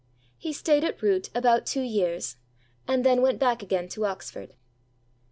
He stayed at Wroote about two years, and then went back again to Oxford.